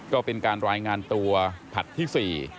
ก็เป็นการรายงานตัวผลัดที่๔